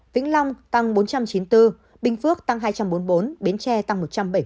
vĩnh long tăng bốn trăm chín mươi bốn bình phước tăng hai trăm bốn mươi bốn bến tre tăng một trăm bảy mươi